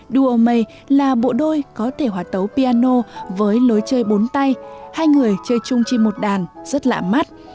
duo may là bộ đôi có thể hòa tấu piano với lối chơi bốn tay hai người chơi chung chi một đàn rất lạ mắt